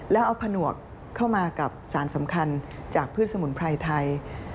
แล้วเอาผนวกเข้ามากับสารสำคัญจากพืชสมุนไพรไทย